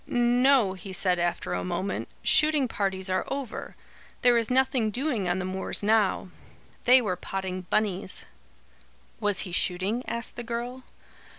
"No," he said after a moment, "shooting parties are over. There is nothing doing on the moors now. They were potting bunnies." "Was he shooting?" asked the girl.